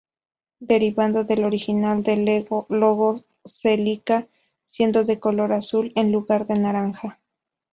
Derivando del original del logo Celica, siendo de color azul en lugar de naranja.